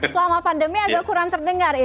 selama pandemi agak kurang terdengar